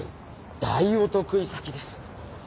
大お得意先です。